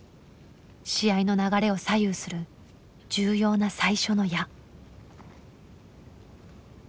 試合の流れを左右する重要な最初の矢。